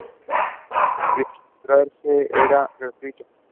Registrarse era gratuito.